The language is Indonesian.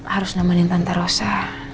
harus namanin tante rosa